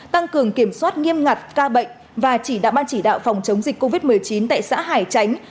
tăng cường kiểm soát nghiêm ngặt ca bệnh và chỉ đạo ban chỉ đạo phòng chống dịch covid một mươi chín tại xã hải chánh